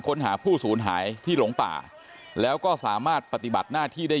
ค้นหาผู้สูญหายที่หลงป่าแล้วก็สามารถปฏิบัติหน้าที่ได้